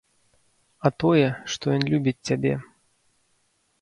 А тое, што ён любіць цябе.